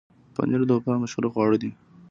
پنېر د اروپا مشهوره خواړه ده.